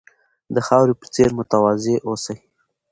د خاورې په څېر متواضع اوسئ.